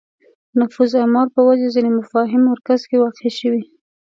د نفوذ اعمال په وجه ځینې مفاهیم مرکز کې واقع شوې